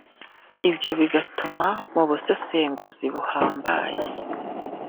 Ibyo bigatuma mu busesenguzi buhambaye